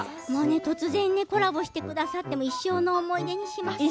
突然コラボしてくださって一生の思い出にします。